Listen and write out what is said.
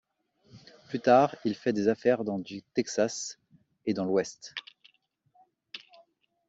Plus tard, il fait des affaires dans du Texas et dans l'ouest.